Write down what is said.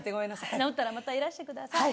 治ったらまたいらしてください。